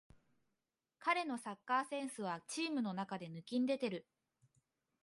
彼のサッカーセンスはチームの中で抜きんでてる